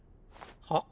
はっ？